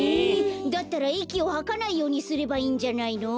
だったらいきをはかないようにすればいいんじゃないの？